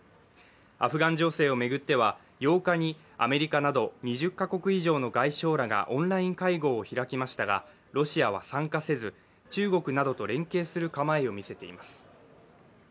アフガン情勢を巡っては８日にアメリカなど２０カ国以上の外相らがオンライン会合を開きましたがロシアは参加せず中国などと連携する構えを見せています。